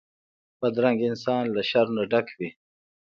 بدرنګه انسان له شر نه ډک وي